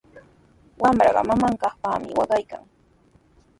Wamra mamanpaqmi waqaykan.